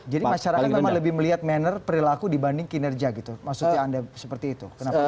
jadi masyarakat memang lebih melihat maner perilaku dibanding kinerja gitu maksudnya anda seperti itu